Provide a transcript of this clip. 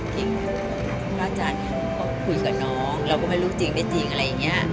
เค้าคุยกับน้องเราก็ไม่รู้จริงไม่จริง